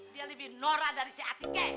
dia lebih norak dari si atikeh